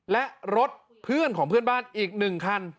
และรถเพื่อนของเพื่อนบ้านอีก๑คัน